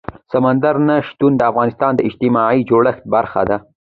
سمندر نه شتون د افغانستان د اجتماعي جوړښت برخه ده.